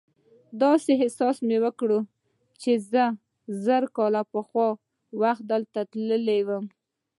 داسې احساس مې وکړ چې زه زر کاله پخوا وخت ته تللی یم.